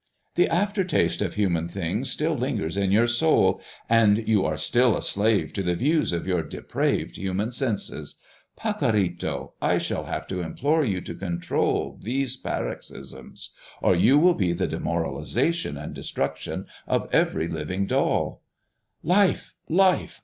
"The after taste of human things still lingers in your soul, and you are still a slave to the views of your depraved human senses. Pacorrito, I shall have to implore you to control these paroxysms, or you will be the demoralization and destruction of every living doll." "Life! life!